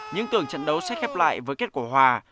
những tưởng trận đấu sẽ khép lại với kết quả hòa